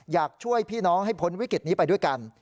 อยากช่วยพี่น้องให้พ้นวิกฤตนี้ไปด้วยกัน